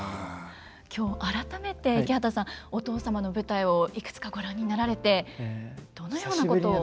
今日改めて池畑さんお父様の舞台をいくつかご覧になられてどのようなことを？